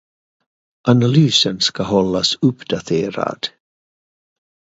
Analysen ska hållas uppdaterad.